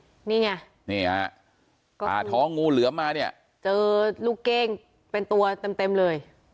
โอ้นี่นี่ไงนี่อ่ะถ้าท้องงูเหลือมมาเนี่ยเจอลูกเก้งเป็นตัวเต็มเลย